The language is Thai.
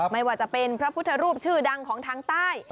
ไม่ว่าจะเป็นพระพุทธรูปชื่อดังของทางใต้